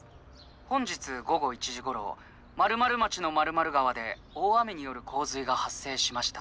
本日午後１時ごろ○○町の○○川で大雨によるこう水がはっ生しました。